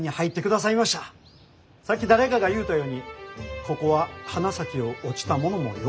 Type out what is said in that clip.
さっき誰かが言うたようにここは花咲を落ちた者もよ